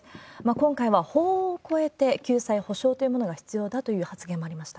今回は法を超えて、救済、補償というものが必要だという発言もありました。